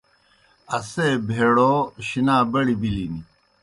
اسے بَہڑَو شِنا بڑیْ بِلِن۔